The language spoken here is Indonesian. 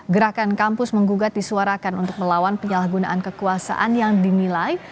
gerakan kampus menggugat disuarakan untuk melawan penyalahgunaan kekuasaan yang dinilai